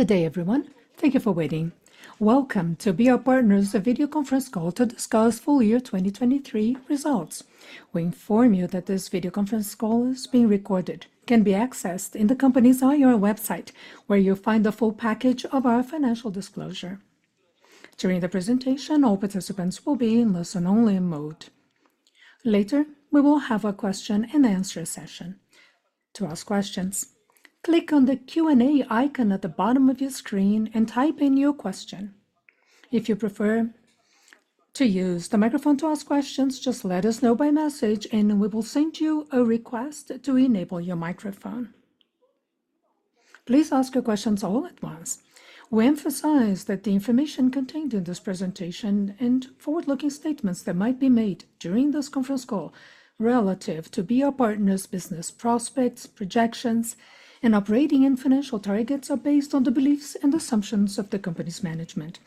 Good day, everyone. Thank you for waiting. Welcome to BR Partners' video conference call to discuss full year 2023 results. We inform you that this video conference call is being recorded, can be accessed in the company's IR website, where you'll find the full package of our financial disclosure. During the presentation, all participants will be in listen-only mode. Later, we will have a question-and-answer session. To ask questions, click on the Q&A icon at the bottom of your screen and type in your question. If you prefer to use the microphone to ask questions, just let us know by message, and we will send you a request to enable your microphone. Please ask your questions all at once. We emphasize that the information contained in this presentation and forward-looking statements that might be made during this conference call relative to BR Partners' business prospects, projections, and operating and financial targets are based on the beliefs and assumptions of the company's management,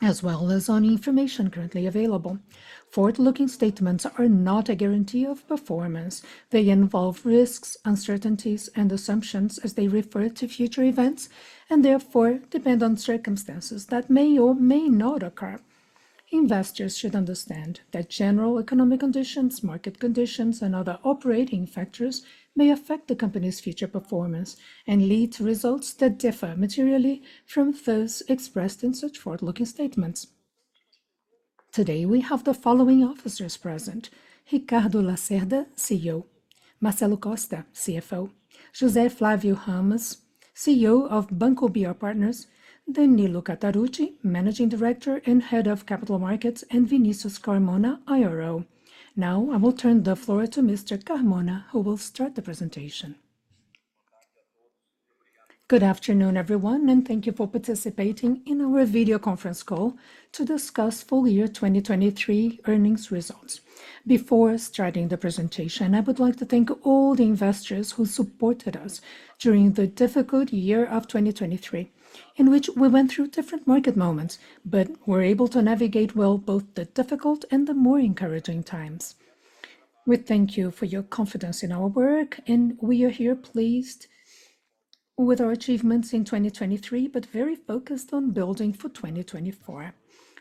as well as on information currently available. Forward-looking statements are not a guarantee of performance. They involve risks, uncertainties, and assumptions as they refer to future events, and therefore depend on circumstances that may or may not occur. Investors should understand that general economic conditions, market conditions, and other operating factors may affect the company's future performance and lead to results that differ materially from those expressed in such forward-looking statements. Today, we have the following officers present: Ricardo Lacerda, CEO; Marcelo Costa, CFO; José Flávio Ramos, CEO of Banco BR Partners; Danilo Catarucci, Managing Director and Head of Capital Markets; and Vinicius Carmona, IRO. Now, I will turn the floor to Mr. Carmona, who will start the presentation. Good afternoon, everyone, and thank you for participating in our video conference call to discuss full year 2023 earnings results. Before starting the presentation, I would like to thank all the investors who supported us during the difficult year of 2023, in which we went through different market moments, but were able to navigate well both the difficult and the more encouraging times. We thank you for your confidence in our work, and we are here pleased with our achievements in 2023, but very focused on building for 2024.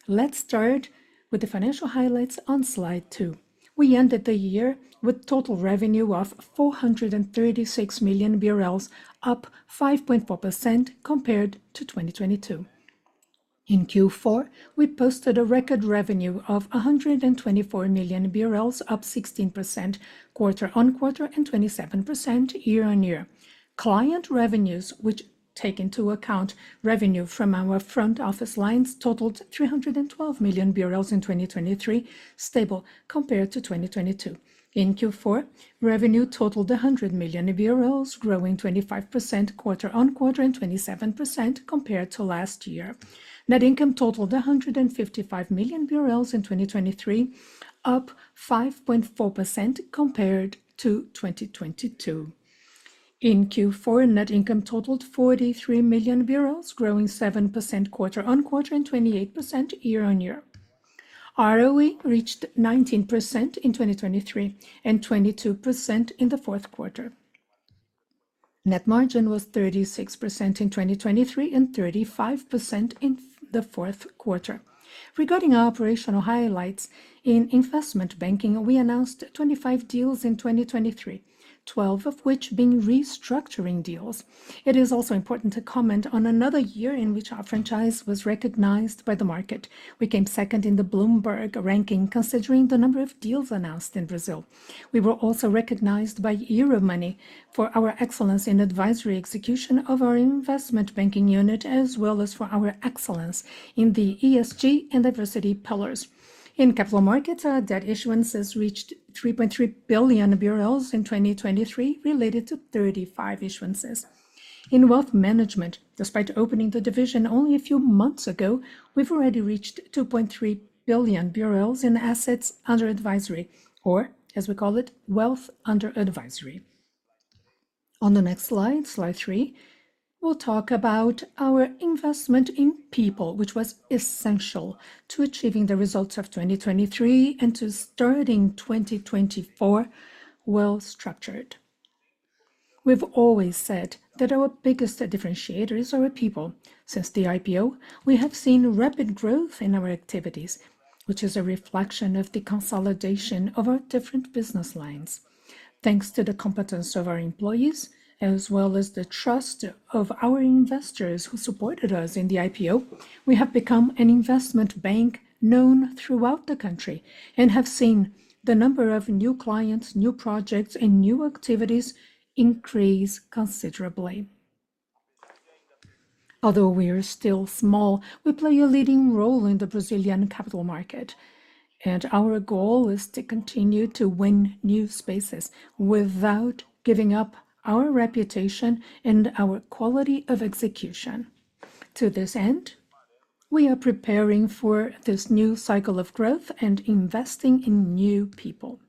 Let's start with the financial highlights on slide 2. We ended the year with total revenue of 436 million BRL, up 5.4% compared to 2022. In Q4, we posted a record revenue of 124 million, up 16% quarter-on-quarter and 27% year-on-year. Client revenues, which take into account revenue from our front office lines, totaled 312 million BRL in 2023, stable compared to 2022. In Q4, revenue totaled BRL 100 million, growing 25% quarter-on-quarter and 27% compared to last year. Net income totaled 155 million BRL in 2023, up 5.4% compared to 2022. In Q4, net income totaled BRL 43 million, growing 7% quarter-on-quarter and 28% year-on-year. ROE reached 19% in 2023 and 22% in the fourth quarter. Net margin was 36% in 2023 and 35% in the fourth quarter. Regarding our operational highlights in investment banking, we announced 25 deals in 2023, 12 of which being restructuring deals. It is also important to comment on another year in which our franchise was recognized by the market. We came second in the Bloomberg ranking, considering the number of deals announced in Brazil. We were also recognized by Euromoney for our excellence in advisory execution of our investment banking unit, as well as for our excellence in the ESG and diversity pillars. In capital markets, our debt issuances reached 3.3 billion BRL in 2023, related to 35 issuances. In wealth management, despite opening the division only a few months ago, we've already reached 2.3 billion BRL in assets under advisory, or as we call it, wealth under advisory. On the next slide, slide 3, we'll talk about our investment in people, which was essential to achieving the results of 2023 and to starting 2024 well-structured. We've always said that our biggest differentiator is our people. Since the IPO, we have seen rapid growth in our activities, which is a reflection of the consolidation of our different business lines. Thanks to the competence of our employees, as well as the trust of our investors who supported us in the IPO, we have become an investment bank known throughout the country and have seen the number of new clients, new projects, and new activities increase considerably. Although we are still small, we play a leading role in the Brazilian capital market, and our goal is to continue to win new spaces without giving up our reputation and our quality of execution. To this end, we are preparing for this new cycle of growth and investing in new people.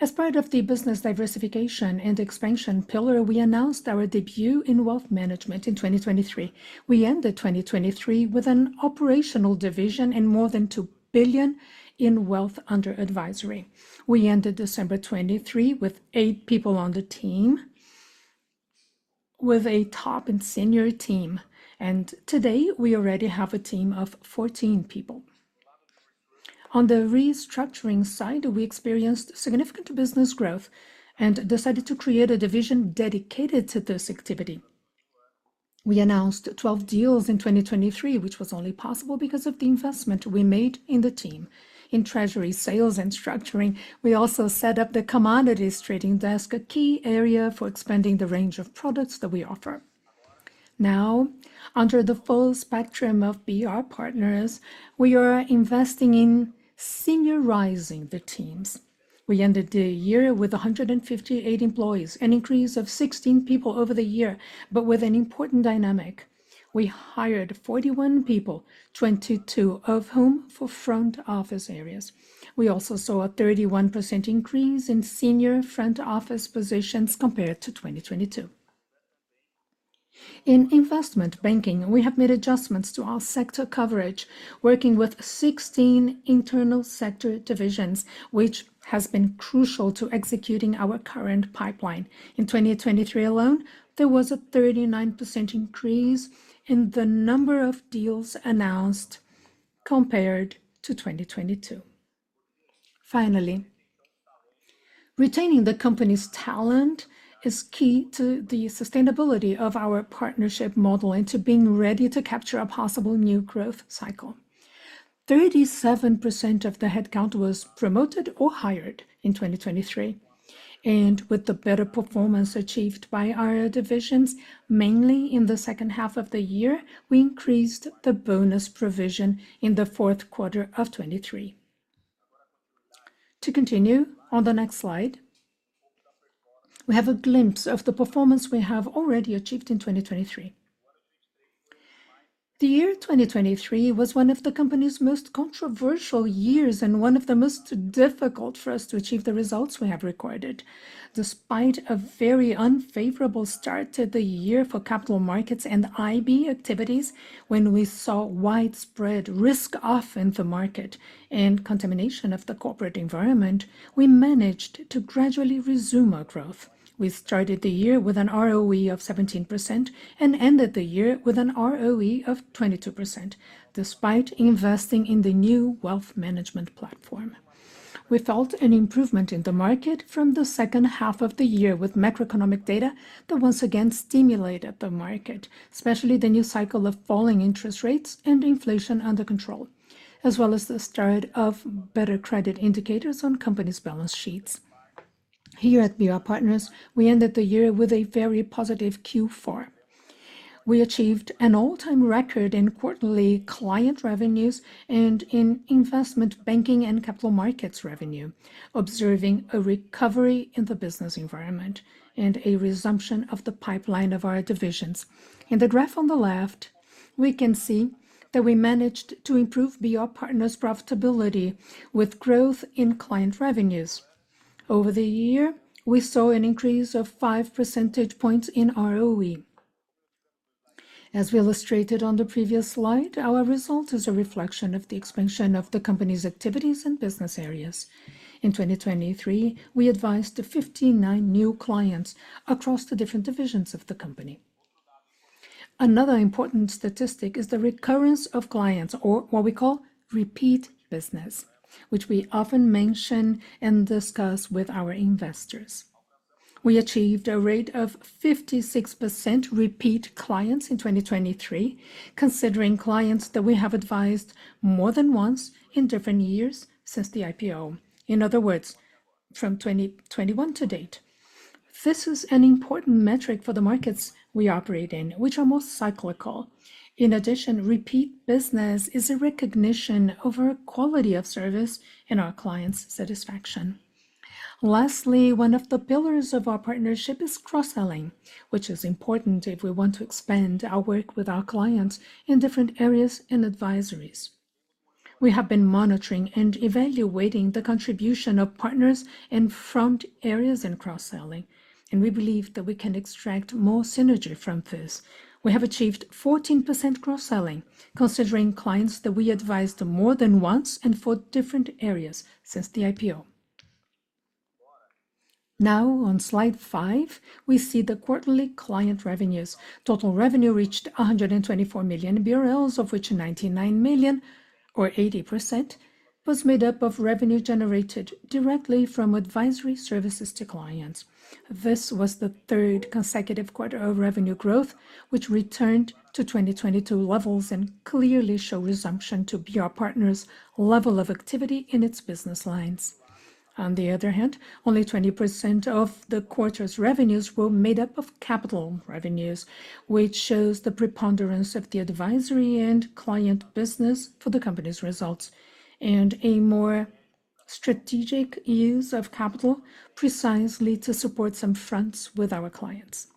As part of the business diversification and expansion pillar, we announced our debut in wealth management in 2023. We ended 2023 with an operational division and more than 2 billion in Wealth Under Advisory. We ended December 2023 with 8 people on the team... with a top and senior team, and today we already have a team of 14 people. On the restructuring side, we experienced significant business growth and decided to create a division dedicated to this activity. We announced 12 deals in 2023, which was only possible because of the investment we made in the team. In treasury, sales, and structuring, we also set up the commodities trading desk, a key area for expanding the range of products that we offer. Now, under the full spectrum of BR Partners, we are investing in seniorizing the teams. We ended the year with 158 employees, an increase of 16 people over the year, but with an important dynamic. We hired 41 people, 22 of whom for front office areas. We also saw a 31% increase in senior front office positions compared to 2022. In investment banking, we have made adjustments to our sector coverage, working with 16 internal sector divisions, which has been crucial to executing our current pipeline. In 2023 alone, there was a 39% increase in the number of deals announced compared to 2022. Finally, retaining the company's talent is key to the sustainability of our partnership model and to being ready to capture a possible new growth cycle. 37% of the headcount was promoted or hired in 2023, and with the better performance achieved by our divisions, mainly in the second half of the year, we increased the bonus provision in the fourth quarter of 2023. To continue on the next slide, we have a glimpse of the performance we have already achieved in 2023. The year 2023 was one of the company's most controversial years and one of the most difficult for us to achieve the results we have recorded. Despite a very unfavorable start to the year for capital markets and IB activities, when we saw widespread risk-off in the market and contamination of the corporate environment, we managed to gradually resume our growth. We started the year with an ROE of 17% and ended the year with an ROE of 22%, despite investing in the new wealth management platform. We felt an improvement in the market from the second half of the year with macroeconomic data that once again stimulated the market, especially the new cycle of falling interest rates and inflation under control, as well as the start of better credit indicators on companies' balance sheets. Here at BR Partners, we ended the year with a very positive Q4. We achieved an all-time record in quarterly client revenues and in investment banking and capital markets revenue, observing a recovery in the business environment and a resumption of the pipeline of our divisions. In the graph on the left, we can see that we managed to improve BR Partners' profitability with growth in client revenues. Over the year, we saw an increase of 5 percentage points in ROE. As we illustrated on the previous slide, our result is a reflection of the expansion of the company's activities and business areas. In 2023, we advised to 59 new clients across the different divisions of the company. Another important statistic is the recurrence of clients or what we call repeat business, which we often mention and discuss with our investors. We achieved a rate of 56% repeat clients in 2023, considering clients that we have advised more than once in different years since the IPO. In other words, from 2021 to date. This is an important metric for the markets we operate in, which are more cyclical. In addition, repeat business is a recognition of our quality of service and our clients' satisfaction. Lastly, one of the pillars of our partnership is cross-selling, which is important if we want to expand our work with our clients in different areas and advisories. We have been monitoring and evaluating the contribution of partners in front areas in cross-selling, and we believe that we can extract more synergy from this. We have achieved 14% cross-selling, considering clients that we advised more than once and for different areas since the IPO. Now, on slide 5, we see the quarterly client revenues. Total revenue reached 124 million BRL, of which 99 million, or 80%, was made up of revenue generated directly from advisory services to clients. This was the third consecutive quarter of revenue growth, which returned to 2022 levels and clearly show resumption to BR Partners' level of activity in its business lines. On the other hand, only 20% of the quarter's revenues were made up of capital revenues, which shows the preponderance of the advisory and client business for the company's results, and a more strategic use of capital, precisely to support some fronts with our clients.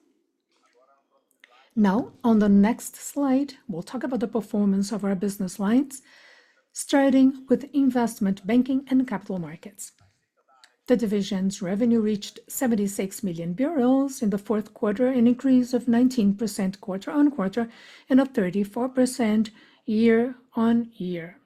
Now, on the next slide, we'll talk about the performance of our business lines, starting with investment banking and capital markets. The division's revenue reached 76 million BRL in the fourth quarter, an increase of 19% quarter-on-quarter and of 34% year-on-year.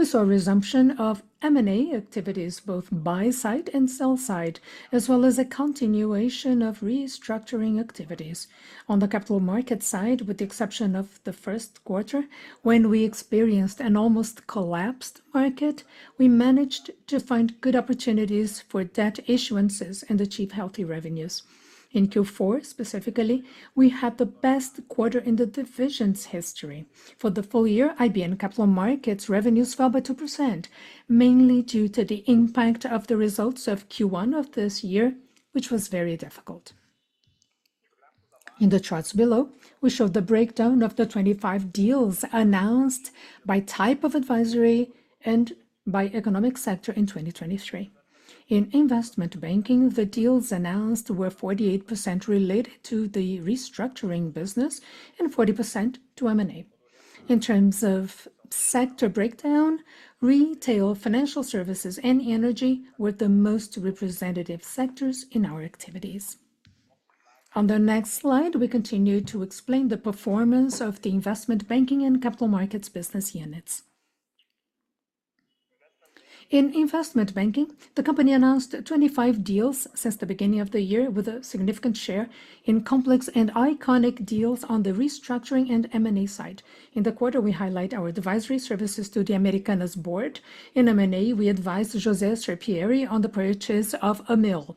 We saw a resumption of M&A activities, both buy side and sell side, as well as a continuation of restructuring activities. On the capital market side, with the exception of the first quarter, when we experienced an almost collapsed market, we managed to find good opportunities for debt issuances and achieve healthy revenues. In Q4 specifically, we had the best quarter in the division's history. For the full year, IB and Capital Markets revenues fell by 2%, mainly due to the impact of the results of Q1 of this year, which was very difficult. In the charts below, we show the breakdown of the 25 deals announced by type of advisory and by economic sector in 2023. In investment banking, the deals announced were 48% related to the restructuring business and 40% to M&A. In terms of sector breakdown, retail, financial services, and energy were the most representative sectors in our activities. On the next slide, we continue to explain the performance of the investment banking and capital markets business units. In investment banking, the company announced 25 deals since the beginning of the year, with a significant share in complex and iconic deals on the restructuring and M&A side. In the quarter, we highlight our advisory services to the Americanas board. In M&A, we advised José Seripieri on the purchase of Amil.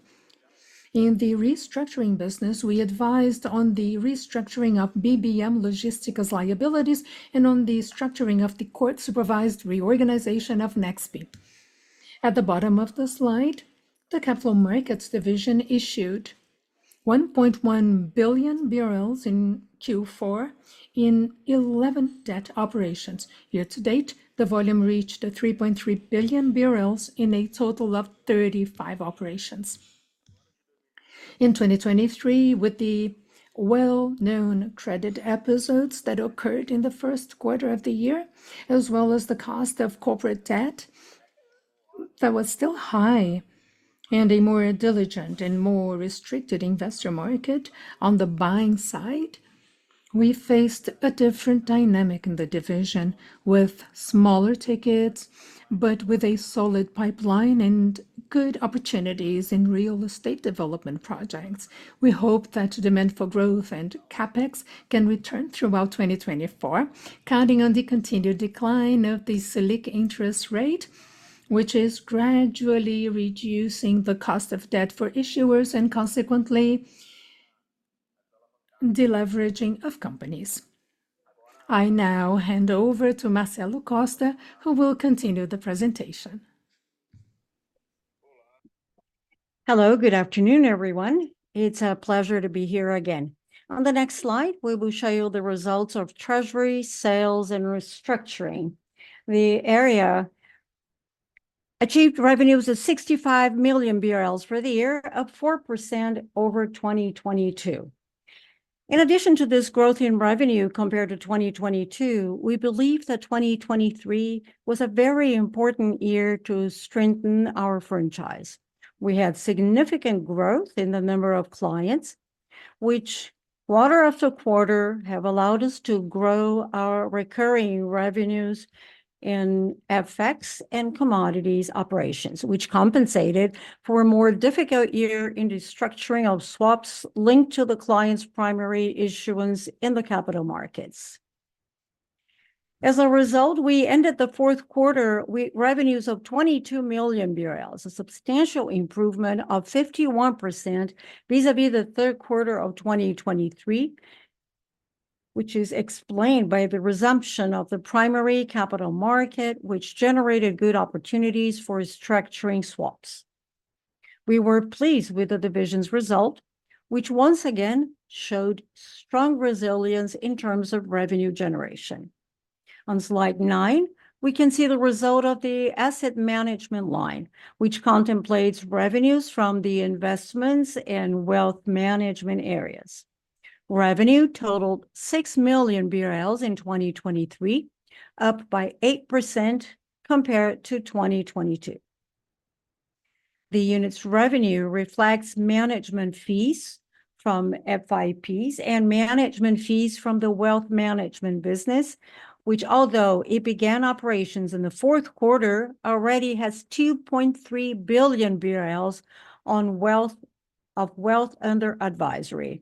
In the restructuring business, we advised on the restructuring of BBM Logística's liabilities and on the structuring of the court-supervised reorganization of Nexpe. At the bottom of the slide, the capital markets division issued 1.1 billion BRL in Q4 in 11 debt operations. Year to date, the volume reached 3.3 billion in a total of 35 operations. In 2023, with the well-known credit episodes that occurred in the first quarter of the year, as well as the cost of corporate debt that was still high, and a more diligent and more restricted investor market on the buying side, we faced a different dynamic in the division with smaller tickets, but with a solid pipeline and good opportunities in real estate development projects. We hope that demand for growth and CapEx can return throughout 2024, counting on the continued decline of the Selic interest rate, which is gradually reducing the cost of debt for issuers and, consequently, deleveraging of companies. I now hand over to Marcelo Costa, who will continue the presentation. Hello, good afternoon, everyone. It's a pleasure to be here again. On the next slide, we will show you the results of treasury, sales, and restructuring. The area achieved revenues of 65 million BRL for the year, up 4% over 2022. In addition to this growth in revenue compared to 2022, we believe that 2023 was a very important year to strengthen our franchise. We had significant growth in the number of clients, which quarter after quarter have allowed us to grow our recurring revenues in FX and commodities operations, which compensated for a more difficult year in the structuring of swaps linked to the client's primary issuance in the capital markets. As a result, we ended the fourth quarter with revenues of 22 million BRL, a substantial improvement of 51% vis-a-vis the third quarter of 2023, which is explained by the resumption of the primary capital market, which generated good opportunities for structuring swaps. We were pleased with the division's result, which once again showed strong resilience in terms of revenue generation. On slide 9, we can see the result of the asset management line, which contemplates revenues from the investments and wealth management areas. Revenue totaled 6 million BRL in 2023, up by 8% compared to 2022. The unit's revenue reflects management fees from FIPs and management fees from the wealth management business, which, although it began operations in the fourth quarter, already has 2.3 billion BRL of wealth under advisory.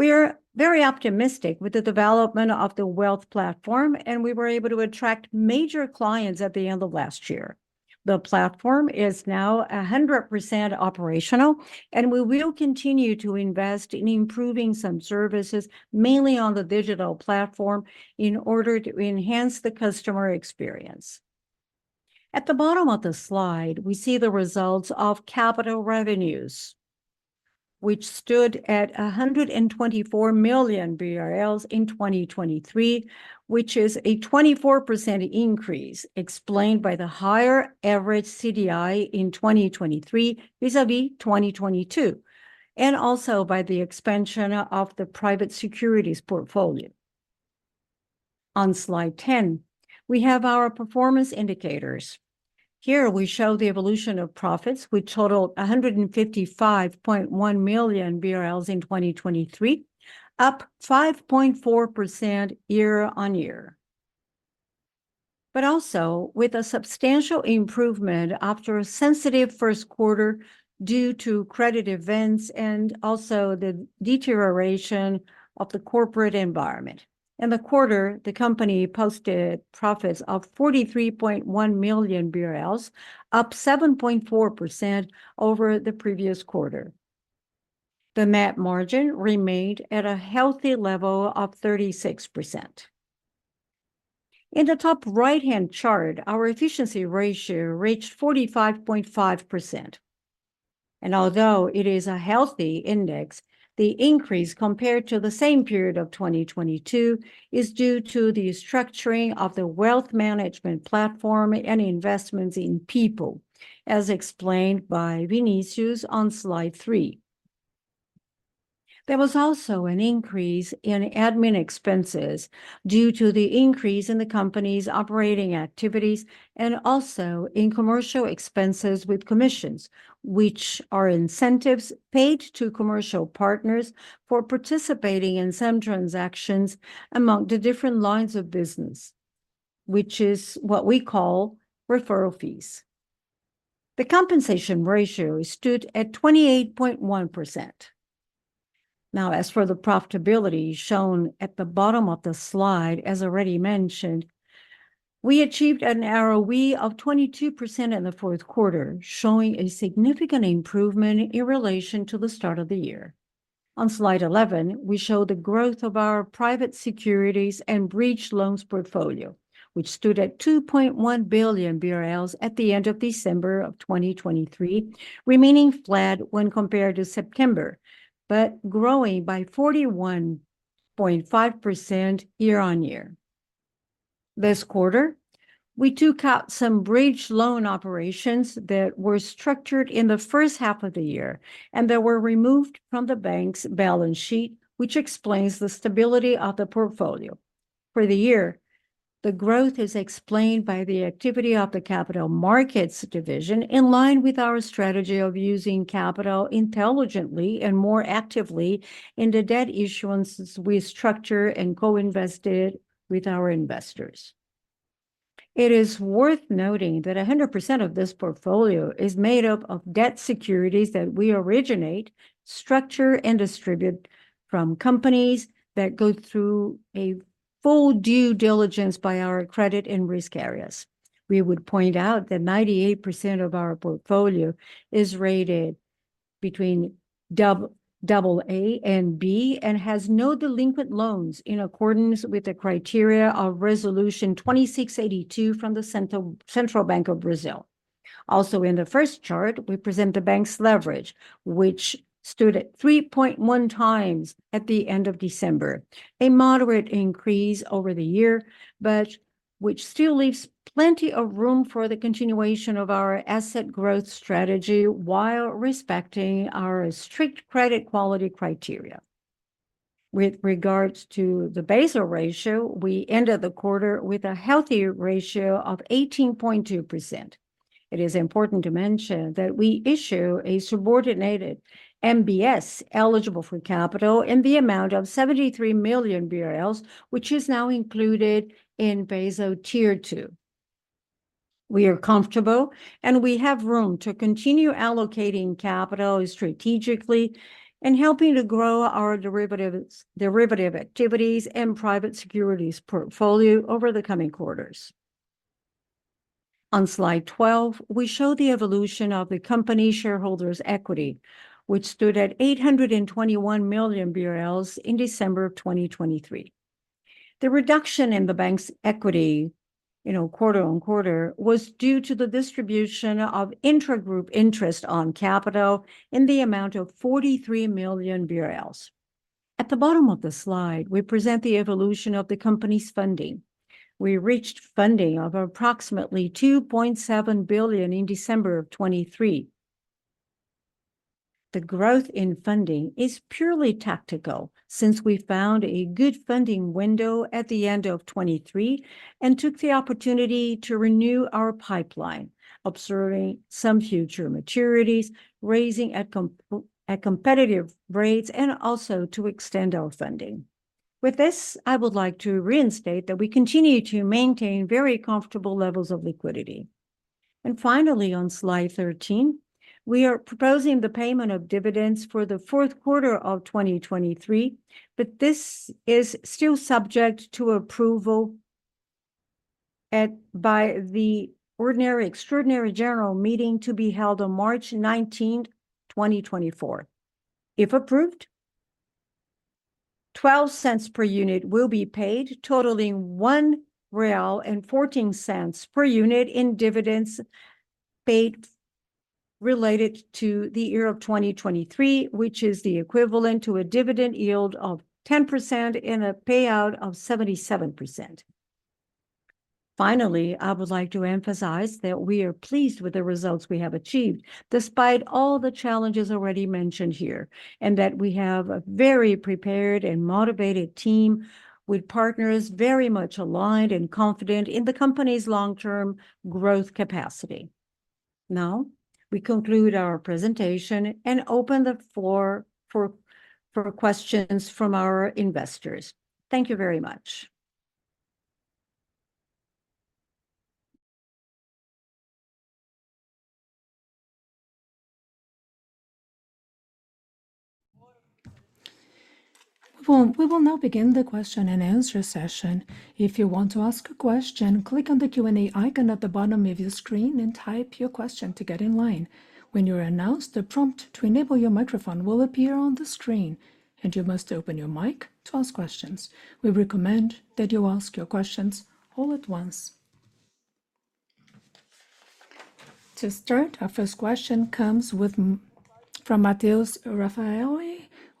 We are very optimistic with the development of the wealth platform, and we were able to attract major clients at the end of last year. The platform is now 100% operational, and we will continue to invest in improving some services, mainly on the digital platform, in order to enhance the customer experience. At the bottom of the slide, we see the results of capital revenues, which stood at 124 million BRL in 2023, which is a 24% increase, explained by the higher average CDI in 2023 vis-à-vis 2022, and also by the expansion of the private securities portfolio. On slide 10, we have our performance indicators.... Here we show the evolution of profits, which totaled 155.1 million BRL in 2023, up 5.4% year-on-year. But also with a substantial improvement after a sensitive first quarter due to credit events and also the deterioration of the corporate environment. In the quarter, the company posted profits of 43.1 million BRL, up 7.4% over the previous quarter. The net margin remained at a healthy level of 36%. In the top right-hand chart, our efficiency ratio reached 45.5%, and although it is a healthy index, the increase compared to the same period of 2022 is due to the structuring of the wealth management platform and investments in people, as explained by Vinicius on slide three. There was also an increase in admin expenses due to the increase in the company's operating activities and also in commercial expenses with commissions, which are incentives paid to commercial partners for participating in some transactions among the different lines of business, which is what we call referral fees. The compensation ratio stood at 28.1%. Now, as for the profitability shown at the bottom of the slide, as already mentioned, we achieved an ROE of 22% in the fourth quarter, showing a significant improvement in relation to the start of the year. On slide 11, we show the growth of our private securities and bridge loans portfolio, which stood at 2.1 billion BRL at the end of December 2023, remaining flat when compared to September, but growing by 41.5% year-on-year. This quarter, we took out some bridge loan operations that were structured in the first half of the year and that were removed from the bank's balance sheet, which explains the stability of the portfolio. For the year, the growth is explained by the activity of the capital markets division, in line with our strategy of using capital intelligently and more actively in the debt issuances we structure and co-invested with our investors. It is worth noting that 100% of this portfolio is made up of debt securities that we originate, structure, and distribute from companies that go through a full due diligence by our credit and risk areas. We would point out that 98% of our portfolio is rated between double A and B, and has no delinquent loans in accordance with the criteria of Resolution 2682 from the Central Bank of Brazil. Also, in the first chart, we present the bank's leverage, which stood at 3.1 times at the end of December, a moderate increase over the year, but which still leaves plenty of room for the continuation of our asset growth strategy while respecting our strict credit quality criteria. With regards to the Basel ratio, we ended the quarter with a healthy ratio of 18.2%. It is important to mention that we issue a subordinated MBS eligible for capital in the amount of 73 million BRL, which is now included in Basel Tier 2. We are comfortable, and we have room to continue allocating capital strategically and helping to grow our derivatives, derivative activities and private securities portfolio over the coming quarters. On slide 12, we show the evolution of the company's shareholders' equity, which stood at 821 million BRL in December 2023. The reduction in the bank's equity, you know, quarter-on-quarter, was due to the distribution of intragroup interest on capital in the amount of 43 million BRL. At the bottom of the slide, we present the evolution of the company's funding. We reached funding of approximately 2.7 billion in December 2023. The growth in funding is purely tactical, since we found a good funding window at the end of 2023 and took the opportunity to renew our pipeline, observing some future maturities, raising at competitive rates, and also to extend our funding. With this, I would like to reinstate that we continue to maintain very comfortable levels of liquidity. And finally, on slide 13, we are proposing the payment of dividends for the fourth quarter of 2023, but this is still subject to approval at, by the ordinary extraordinary general meeting to be held on March 19, 2024. If approved, 0.12 per unit will be paid, totaling 1.14 real per unit in dividends paid related to the year of 2023, which is the equivalent to a dividend yield of 10% and a payout of 77%. Finally, I would like to emphasize that we are pleased with the results we have achieved, despite all the challenges already mentioned here, and that we have a very prepared and motivated team with partners very much aligned and confident in the company's long-term growth capacity. Now, we conclude our presentation and open the floor for questions from our investors. Thank you very much. We will now begin the question and answer session. If you want to ask a question, click on the Q&A icon at the bottom of your screen and type your question to get in line. When you are announced, a prompt to enable your microphone will appear on the screen, and you must open your mic to ask questions. We recommend that you ask your questions all at once. To start, our first question comes from Mateus Raffaelli with Itaú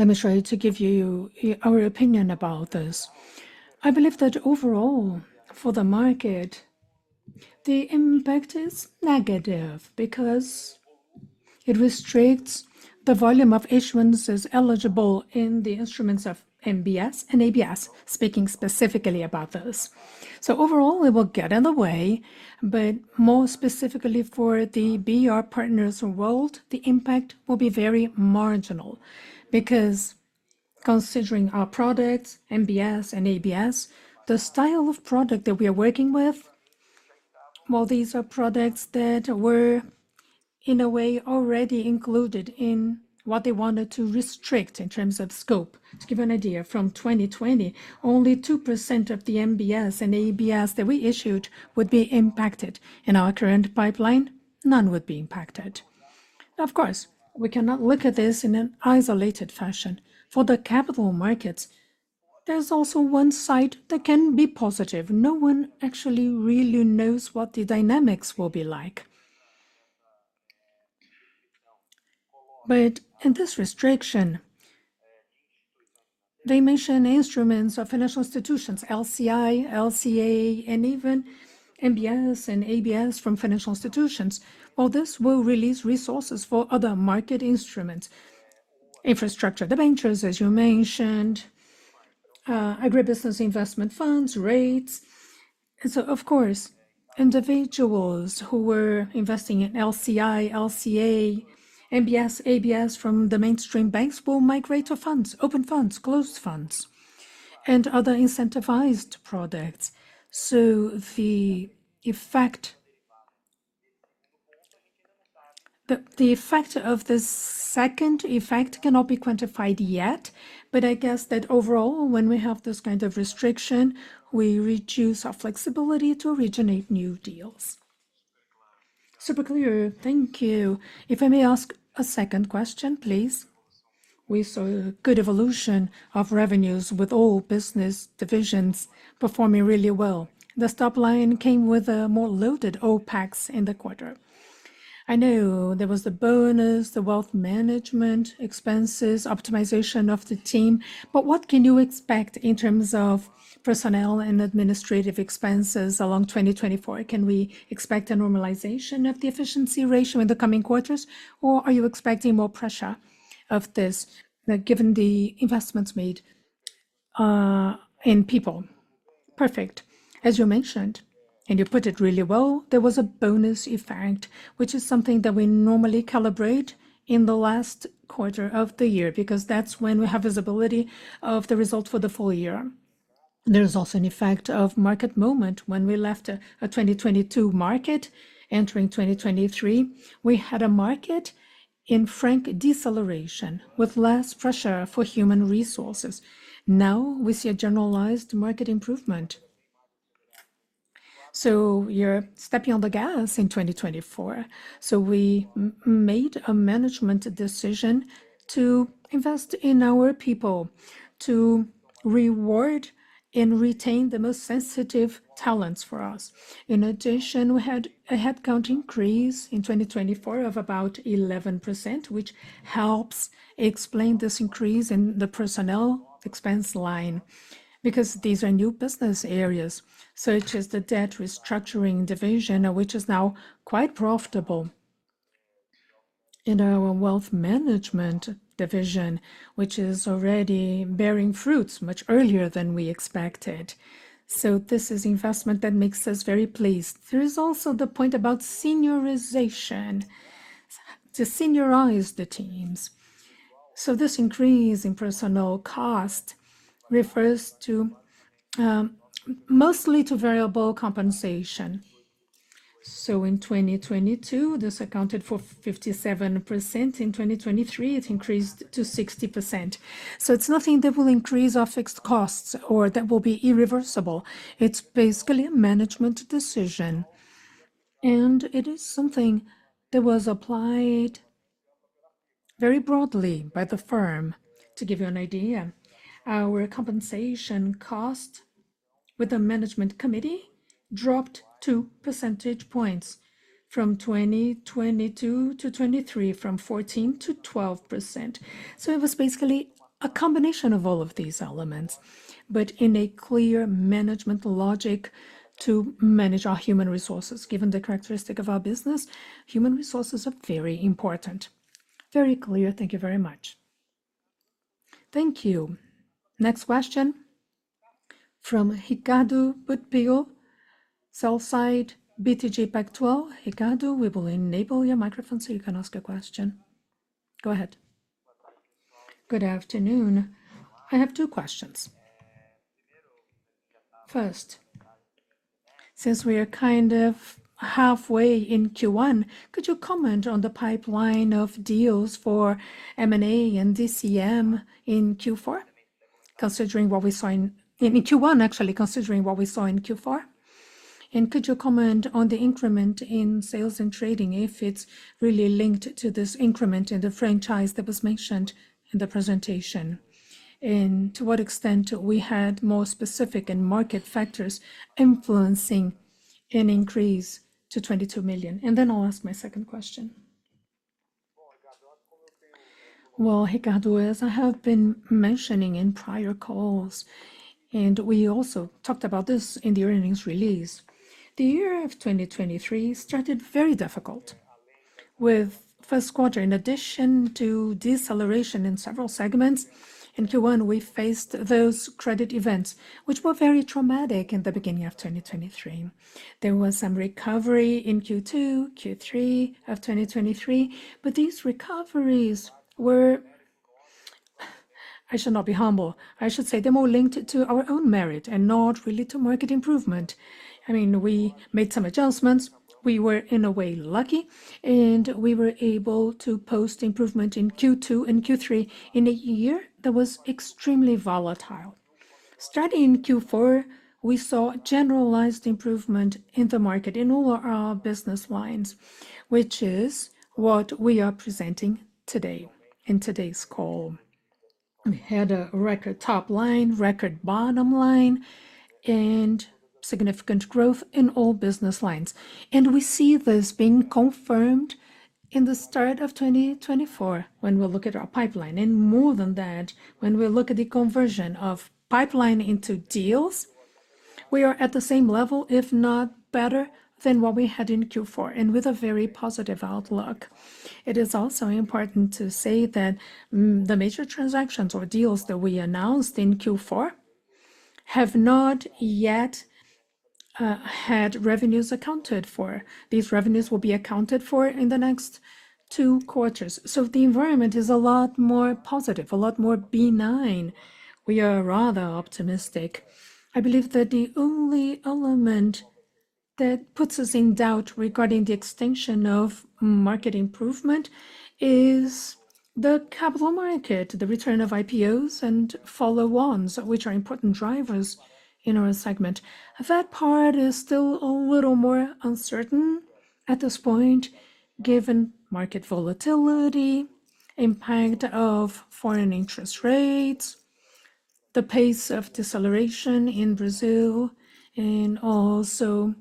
BBA. Because considering our products, MBS and ABS, the style of product that we are working with, well, these are products that were, in a way, already included in what they wanted to restrict in terms of scope. To give you an idea, from 2020, only 2% of the MBS and ABS that we issued would be impacted. In our current pipeline, none would be impacted. Of course, we cannot look at this in an isolated fashion. For the capital markets, there's also one side that can be positive. No one actually really knows what the dynamics will be like. But in this restriction, they mention instruments of financial institutions, LCI, LCA, and even MBS and ABS from financial institutions. Well, this will release resources for other market instruments: infrastructure debentures, as you mentioned, agribusiness investment funds, rates. Of course, individuals who were investing in LCI, LCA, MBS, ABS from the mainstream banks will migrate to funds, open funds, closed funds, and other incentivized products. So the effect... the effect of this second effect cannot be quantified yet, but I guess that overall, when we have this kind of restriction, we reduce our flexibility to originate new deals. Super clear. Thank you. If I may ask a second question, please. We saw a good evolution of revenues with all business divisions performing really well. The top line came with a more loaded OpEx in the quarter. I know there was the bonus, the wealth management expenses, optimization of the team, but what can you expect in terms of personnel and administrative expenses along 2024? Can we expect a normalization of the efficiency ratio in the coming quarters, or are you expecting more pressure of this, given the investments made, in people? Perfect. As you mentioned, and you put it really well, there was a bonus effect, which is something that we normally calibrate in the last quarter of the year, because that's when we have visibility of the result for the full year. There is also an effect of market movement when we left a, a 2022 market. Entering 2023, we had a market in frank deceleration, with less pressure for human resources. Now, we see a generalized market improvement. So you're stepping on the gas in 2024. So we made a management decision to invest in our people, to reward and retain the most sensitive talents for us. In addition, we had a headcount increase in 2024 of about 11%, which helps explain this increase in the personnel expense line, because these are new business areas, such as the debt restructuring division, which is now quite profitable in our wealth management division, which is already bearing fruits much earlier than we expected. So this is investment that makes us very pleased. There is also the point about seniorization, to seniorize the teams. So this increase in personnel cost refers to, mostly to variable compensation. So in 2022, this accounted for 57%. In 2023, it increased to 60%. So it's nothing that will increase our fixed costs or that will be irreversible. It's basically a management decision, and it is something that was applied very broadly by the firm. To give you an idea, our compensation cost with the management committee dropped 2 percentage points from 2022 to 2023, from 14% to 12%. So it was basically a combination of all of these elements, but in a clear management logic to manage our human resources. Given the characteristic of our business, human resources are very important. Very clear. Thank you very much. Thank you. Next question from Ricardo Buchpiguel, sell-side BTG Pactual. Ricardo, we will enable your microphone so you can ask a question. Go ahead. Good afternoon. I have two questions. First, since we are kind of halfway in Q1, could you comment on the pipeline of deals for M&A and DCM in Q4, considering what we saw in Q1, actually, considering what we saw in Q4? Could you comment on the increment in sales and trading, if it's really linked to this increment in the franchise that was mentioned in the presentation? And to what extent we had more specific and market factors influencing an increase to 22 million? And then I'll ask my second question. Well, Ricardo, as I have been mentioning in prior calls, and we also talked about this in the earnings release, the year of 2023 started very difficult, with first quarter, in addition to deceleration in several segments, in Q1, we faced those credit events, which were very traumatic in the beginning of 2023. There was some recovery in Q2, Q3 of 2023, but these recoveries were... I should not be humble. I should say they're more linked to our own merit and not really to market improvement. I mean, we made some adjustments. We were, in a way, lucky, and we were able to post improvement in Q2 and Q3 in a year that was extremely volatile. Starting in Q4, we saw generalized improvement in the market in all our, our business lines, which is what we are presenting today in today's call. We had a record top line, record bottom line, and significant growth in all business lines. And we see this being confirmed in the start of 2024 when we look at our pipeline. And more than that, when we look at the conversion of pipeline into deals, we are at the same level, if not better, than what we had in Q4, and with a very positive outlook. It is also important to say that, the major transactions or deals that we announced in Q4 have not yet had revenues accounted for. These revenues will be accounted for in the next two quarters. So the environment is a lot more positive, a lot more benign. We are rather optimistic. I believe that the only element that puts us in doubt regarding the extension of market improvement is the capital market, the return of IPOs and follow-ons, which are important drivers in our segment. That part is still a little more uncertain at this point, given market volatility, impact of foreign interest rates, the pace of deceleration in Brazil, and also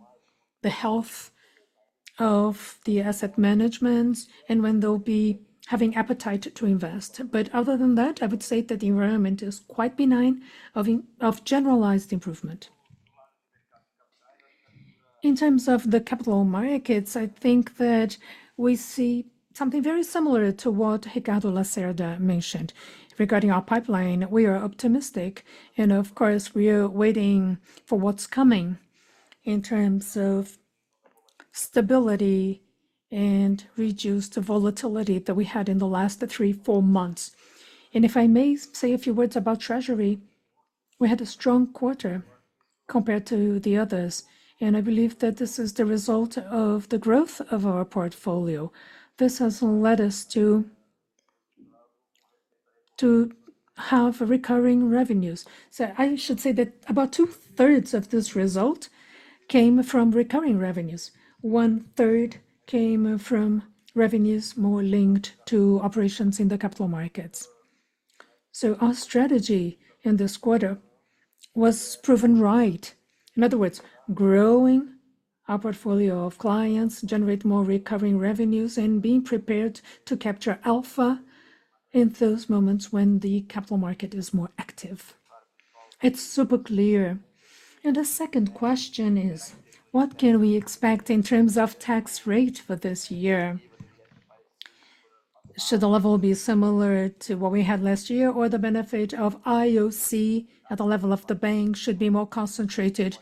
the health of the asset management and when they'll be having appetite to invest. But other than that, I would say that the environment is quite benign of generalized improvement. In terms of the capital markets, I think that we see something very similar to what Ricardo Lacerda mentioned. Regarding our pipeline, we are optimistic, and of course, we are waiting for what's coming in terms of stability and reduced volatility that we had in the last 3-4 months. If I may say a few words about treasury, we had a strong quarter compared to the others, and I believe that this is the result of the growth of our portfolio. This has led us to have recurring revenues. So I should say that about two-thirds of this result came from recurring revenues. One-third came from revenues more linked to operations in the capital markets. So our strategy in this quarter was proven right. In other words, growing our portfolio of clients, generate more recurring revenues, and being prepared to capture alpha in those moments when the capital market is more active. It's super clear. The second question is: What can we expect in terms of tax rate for this year? Should the level be similar to what we had last year, or the benefit of IOC at the level of the bank should be more concentrated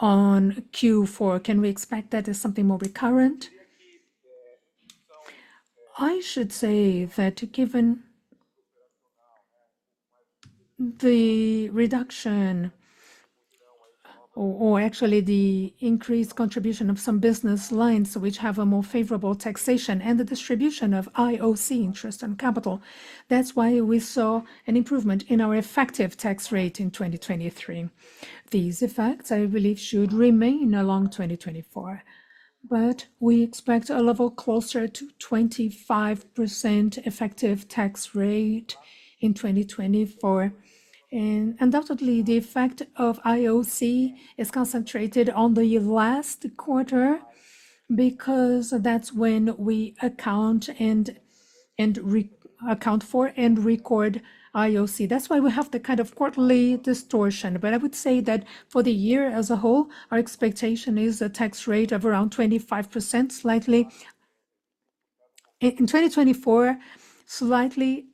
on Q4? Can we expect that as something more recurrent? I should say that actually the increased contribution of some business lines which have a more favorable taxation and the distribution of IOC interest and capital, that's why we saw an improvement in our effective tax rate in 2023. These effects, I believe, should remain along 2024. But we expect a level closer to 25% effective tax rate in 2024. And undoubtedly, the effect of IOC is concentrated on the last quarter, because that's when we account and re-account for and record IOC. That's why we have the kind of quarterly distortion. But I would say that for the year as a whole, our expectation is a tax rate of around 25%, slightly in 2024, slightly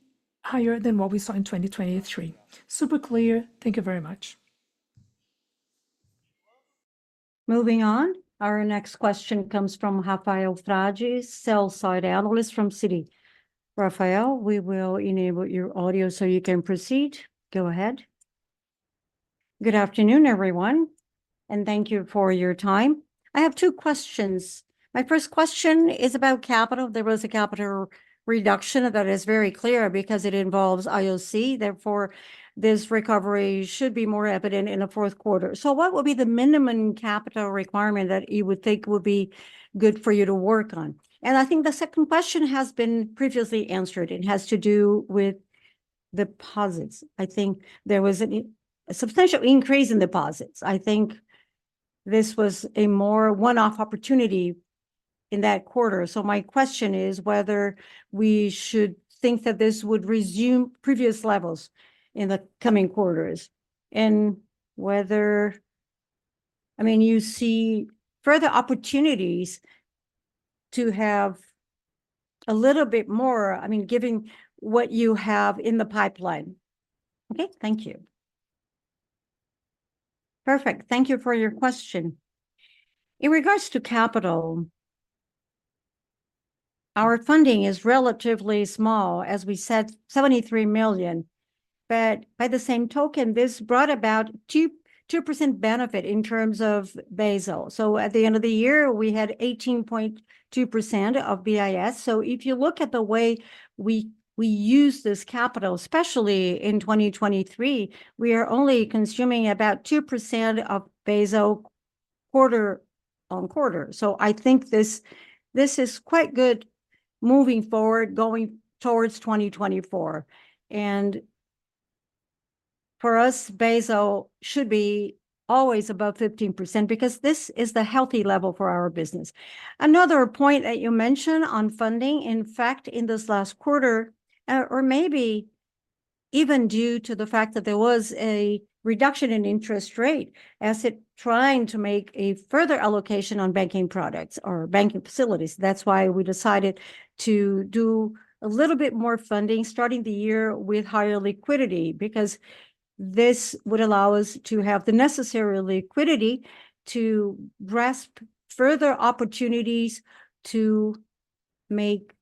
higher than what we saw in 2023. Super clear. Thank you very much. Moving on, our next question comes from Rafael Frade, sell-side analyst from Citi. Rafael, we will enable your audio so you can proceed. Go ahead. Good afternoon, everyone, and thank you for your time. I have two questions. My first question is about capital. There was a capital reduction, that is very clear because it involves IOC, therefore, this recovery should be more evident in the fourth quarter. So what would be the minimum capital requirement that you would think would be good for you to work on? And I think the second question has been previously answered. It has to do with deposits. I think there was a substantial increase in deposits. I think this was a more one-off opportunity in that quarter. So my question is whether we should think that this would resume previous levels in the coming quarters, and whether... I mean, you see further opportunities to have a little bit more, I mean, given what you have in the pipeline. Okay, thank you. Perfect, thank you for your question. In regards to capital, our funding is relatively small, as we said, 73 million. But by the same token, this brought about 2% benefit in terms of Basel. So at the end of the year, we had 18.2% of BIS. So if you look at the way we used this capital, especially in 2023, we are only consuming about 2% of Basel quarter-on-quarter. So I think this is quite good moving forward, going towards 2024. And for us, Basel should be always above 15%, because this is the healthy level for our business. Another point that you mention on funding, in fact, in this last quarter, or maybe even due to the fact that there was a reduction in interest rate, as it trying to make a further allocation on banking products or banking facilities, that's why we decided to do a little bit more funding, starting the year with higher liquidity. Because this would allow us to have the necessary liquidity to grasp further opportunities to make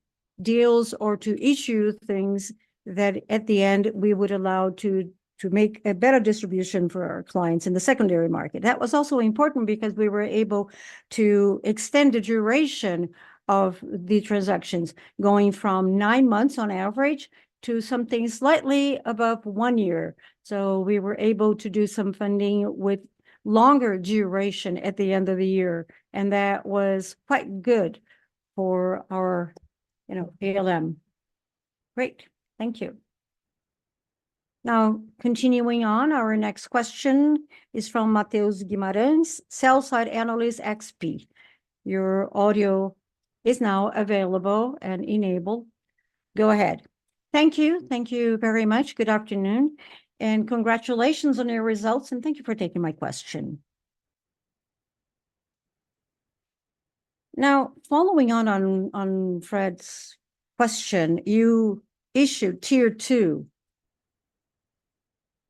deals or to issue things that, at the end, we would allow to make a better distribution for our clients in the secondary market. That was also important because we were able to extend the duration of the transactions, going from nine months on average to something slightly above one year. So we were able to do some funding with longer duration at the end of the year, and that was quite good for our, you know, ALM. Great, thank you. Now, continuing on, our next question is from Matheus Guimarães, sell-side analyst, XP. Your audio is now available and enabled. Go ahead. Thank you. Thank you very much. Good afternoon, and congratulations on your results, and thank you for taking my question. Now, following on Fred's question, you issued Tier 2.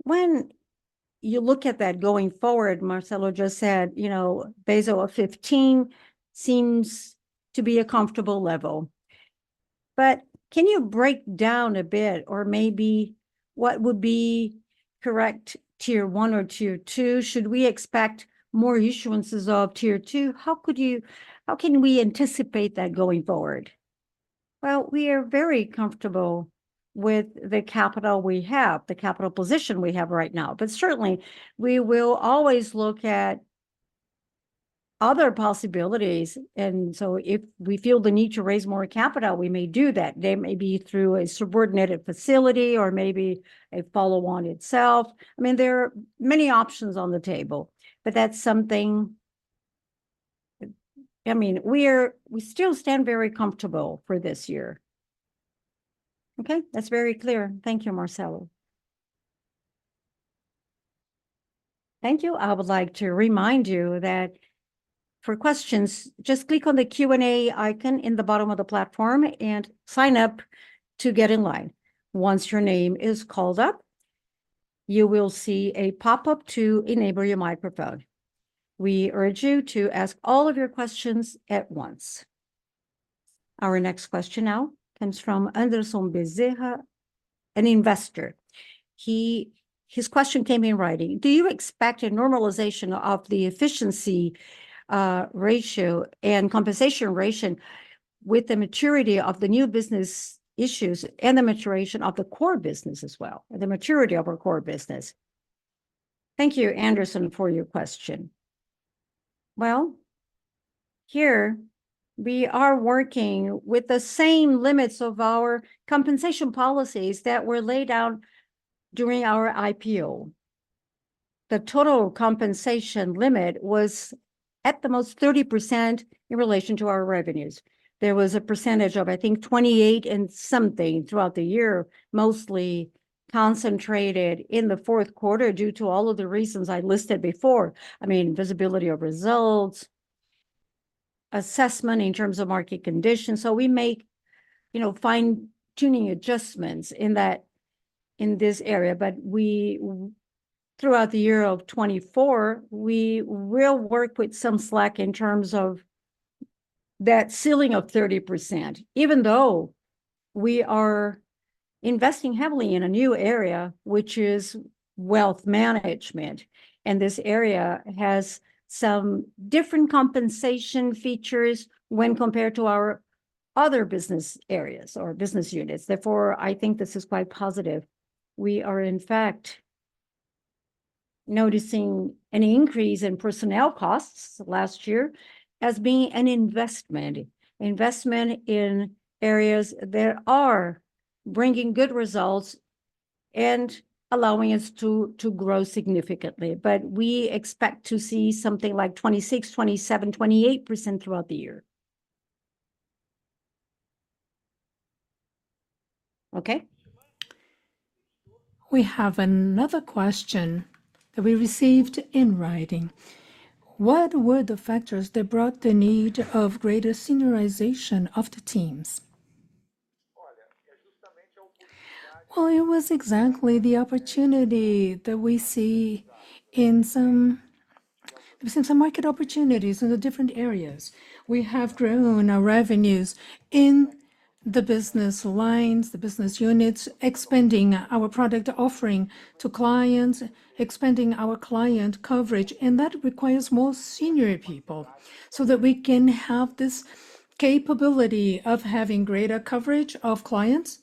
When you look at that going forward, Marcelo just said, you know, Basel of 15 seems to be a comfortable level. But can you break down a bit or maybe what would be correct Tier 1 or Tier 2? Should we expect more issuances of Tier 2? How can we anticipate that going forward? Well, we are very comfortable with the capital we have, the capital position we have right now. But certainly, we will always look at other possibilities, and so if we feel the need to raise more capital, we may do that, that may be through a subordinated facility or maybe a follow-on itself. I mean, there are many options on the table, but that's something... I mean, we're, we still stand very comfortable for this year. Okay, that's very clear. Thank you, Marcelo. Thank you. I would like to remind you that for questions, just click on the Q&A icon in the bottom of the platform and sign up to get in line. Once your name is called up, you will see a pop-up to enable your microphone. We urge you to ask all of your questions at once.... Our next question now comes from Anderson Bezerra, an investor. His question came in writing: Do you expect a normalization of the efficiency ratio and compensation ratio with the maturity of the new business issues and the maturation of the core business as well, the maturity of our core business? Thank you, Anderson, for your question. Well, here we are working with the same limits of our compensation policies that were laid out during our IPO. The total compensation limit was at the most 30% in relation to our revenues. There was a percentage of, I think, 28 and something throughout the year, mostly concentrated in the fourth quarter, due to all of the reasons I listed before. I mean, visibility of results, assessment in terms of market conditions. So we make, you know, fine-tuning adjustments in that, in this area. But we, throughout the year of 2024, will work with some slack in terms of that ceiling of 30%, even though we are investing heavily in a new area, which is wealth management, and this area has some different compensation features when compared to our other business areas or business units. Therefore, I think this is quite positive. We are, in fact, noticing an increase in personnel costs last year as being an investment, investment in areas that are bringing good results and allowing us to grow significantly. But we expect to see something like 26%, 27%, 28% throughout the year. Okay? We have another question that we received in writing. What were the factors that brought the need of greater seniorization of the teams? Well, it was exactly the opportunity that we see in some market opportunities in the different areas. We have grown our revenues in the business lines, the business units, expanding our product offering to clients, expanding our client coverage, and that requires more senior people, so that we can have this capability of having greater coverage of clients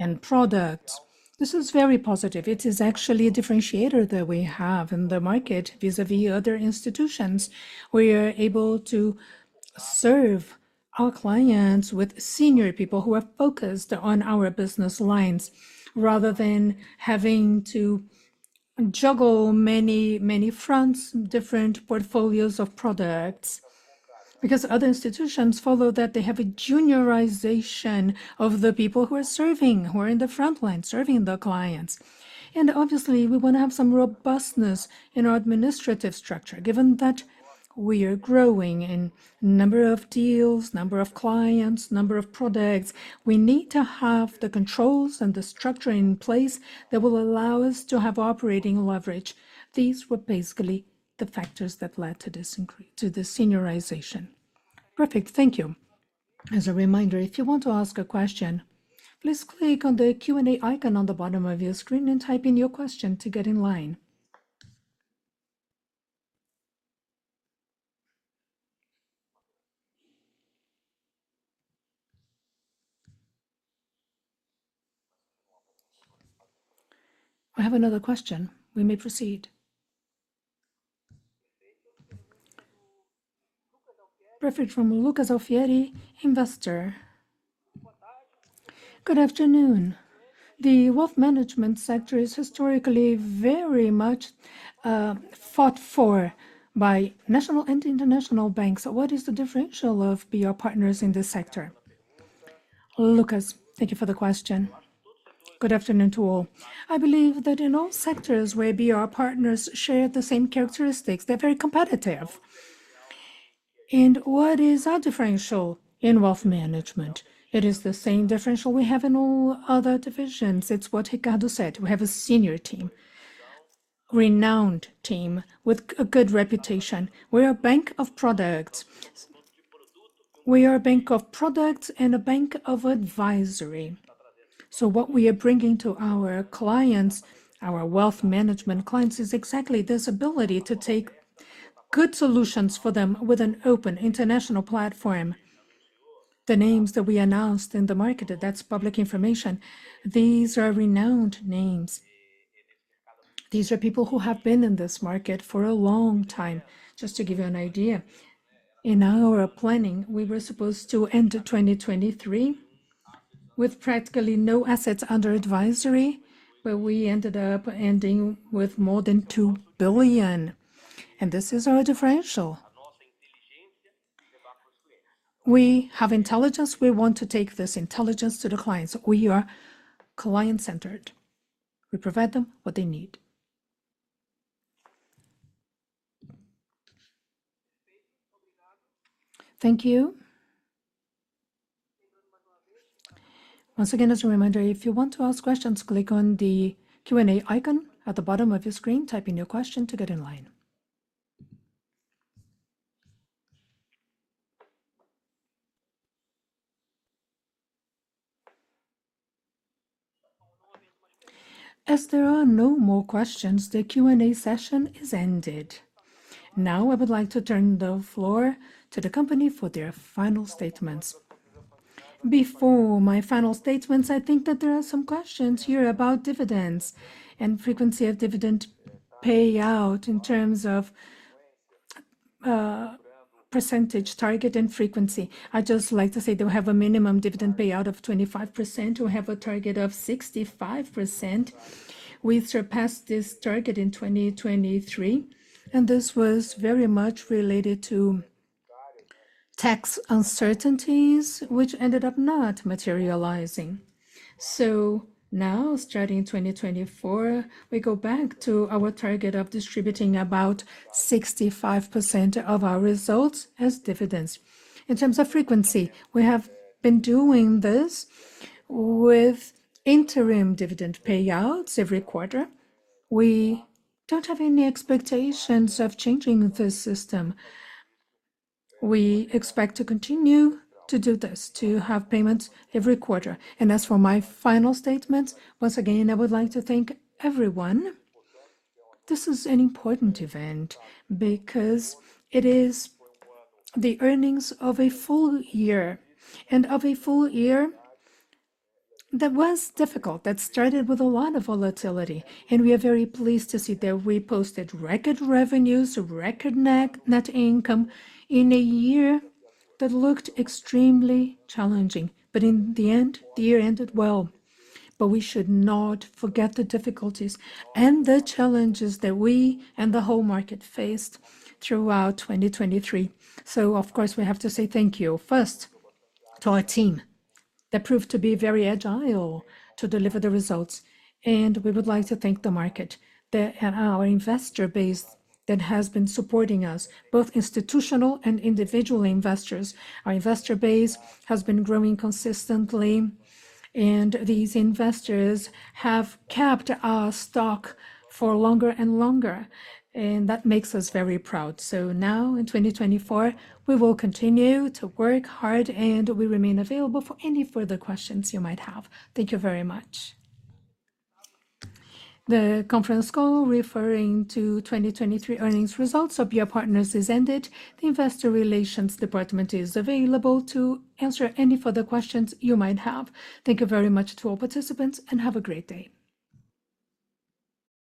and products. This is very positive. It is actually a differentiator that we have in the market vis-a-vis other institutions. We are able to serve our clients with senior people who are focused on our business lines, rather than having to juggle many, many fronts, different portfolios of products. Because other institutions follow that they have a juniorization of the people who are serving, who are in the frontline serving the clients. And obviously, we wanna have some robustness in our administrative structure. Given that we are growing in number of deals, number of clients, number of products, we need to have the controls and the structure in place that will allow us to have operating leverage. These were basically the factors that led to this increase, to this seniorization. Perfect. Thank you. As a reminder, if you want to ask a question, please click on the Q&A icon on the bottom of your screen and type in your question to get in line. We have another question. We may proceed. Perfect, from Lucas Alfieri, investor. Good afternoon. The wealth management sector is historically very much, fought for by national and international banks. What is the differential of BR Partners in this sector? Lucas, thank you for the question. Good afternoon to all. I believe that in all sectors where BR Partners share the same characteristics, they're very competitive. What is our differential in wealth management? It is the same differential we have in all other divisions. It's what Ricardo said, we have a senior team, renowned team with a good reputation. We're a bank of products. We are a bank of products and a bank of advisory. So what we are bringing to our clients, our wealth management clients, is exactly this ability to take good solutions for them with an open international platform. The names that we announced in the market, that's public information, these are renowned names. These are people who have been in this market for a long time. Just to give you an idea, in our planning, we were supposed to end 2023 with practically no assets under advisory, but we ended up ending with more than 2 billion, and this is our differential. We have intelligence. We want to take this intelligence to the clients. We are client-centered. We provide them what they need. Thank you.... Once again, as a reminder, if you want to ask questions, click on the Q&A icon at the bottom of your screen, type in your question to get in line. As there are no more questions, the Q&A session is ended. Now, I would like to turn the floor to the company for their final statements. Before my final statements, I think that there are some questions here about dividends and frequency of dividend payout in terms of, percentage, target, and frequency. I'd just like to say that we have a minimum dividend payout of 25%. We have a target of 65%. We surpassed this target in 2023, and this was very much related to tax uncertainties, which ended up not materializing. So now, starting in 2024, we go back to our target of distributing about 65% of our results as dividends. In terms of frequency, we have been doing this with interim dividend payouts every quarter. We don't have any expectations of changing this system. We expect to continue to do this, to have payments every quarter. And as for my final statement, once again, I would like to thank everyone. This is an important event because it is the earnings of a full year, and of a full year that was difficult, that started with a lot of volatility. We are very pleased to see that we posted record revenues, a record net income, in a year that looked extremely challenging. In the end, the year ended well. We should not forget the difficulties and the challenges that we and the whole market faced throughout 2023. Of course, we have to say thank you, first to our team, that proved to be very agile to deliver the results. We would like to thank the market that and our investor base that has been supporting us, both institutional and individual investors. Our investor base has been growing consistently, and these investors have kept our stock for longer and longer, and that makes us very proud. Now, in 2024, we will continue to work hard, and we remain available for any further questions you might have. Thank you very much. The conference call referring to 2023 earnings results of BR Partners is ended. The investor relations department is available to answer any further questions you might have. Thank you very much to all participants, and have a great day.